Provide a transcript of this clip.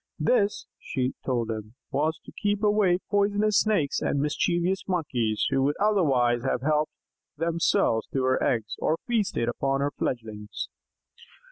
This, she told him, was to keep away poisonous Snakes and mischievous Monkeys, who would otherwise have helped themselves to her eggs, or feasted upon her fledglings.